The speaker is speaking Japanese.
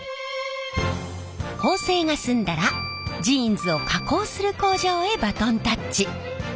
縫製が済んだらジーンズを加工する工場へバトンタッチ。